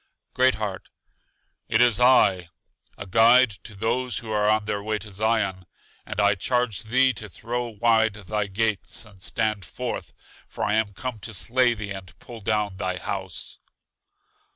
Great heart: It is I, a guide to those who are on their way to Zion. And I charge thee to throw wide thy gates and stand forth, for I am come to slay thee and pull down thy house.